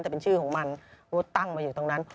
แต่เป็นชื่อของมันว่าตั้งมาอยู่ตรงนั้น